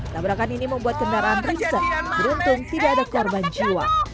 tabrakan ini membuat kendaraan riset beruntung tidak ada korban jiwa